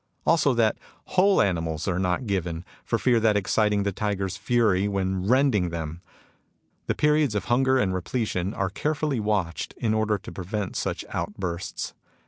Also, that whole animals are not given, for fear of exciting the tiger's fury when rending them ? The periods of hunger and repletion are carefully watched in order to prevent such out bursts.